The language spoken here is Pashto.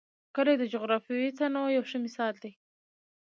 کلي د جغرافیوي تنوع یو ښه مثال دی.